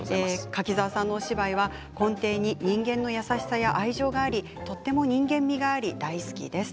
柿澤さんのお芝居は根底に人間の優しさや愛情がありとても人間味があり大好きです。